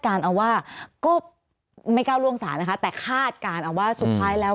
การเอาว่าก็ไม่ก้าวล่วงศาลนะคะแต่คาดการณ์เอาว่าสุดท้ายแล้ว